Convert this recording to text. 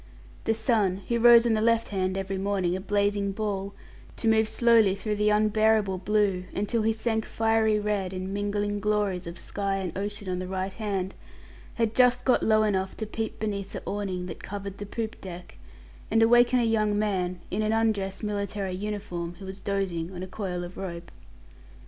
The sun who rose on the left hand every morning a blazing ball, to move slowly through the unbearable blue, until he sank fiery red in mingling glories of sky and ocean on the right hand had just got low enough to peep beneath the awning that covered the poop deck, and awaken a young man, in an undress military uniform, who was dozing on a coil of rope.